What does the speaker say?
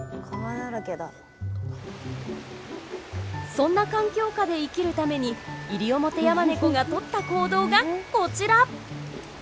そんな環境下で生きるためにイリオモテヤマネコがとった行動がこちら！